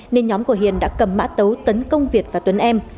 nên nhóm của hiền đã cầm mã tấu tấn công việt và tuấn em